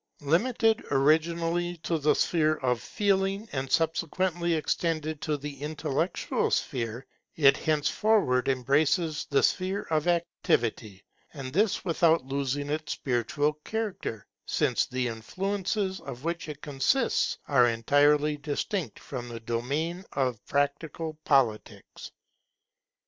Limited originally to the sphere of Feeling, and subsequently extended to the intellectual sphere, it henceforward embraces the sphere of Activity; and this without losing its spiritual character, since the influences of which it consists are entirely distinct from the domain of practical politics.